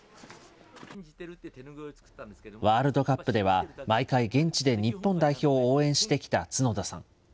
ワールドカップでは、毎回現地で日本代表を応援してきた角田さん。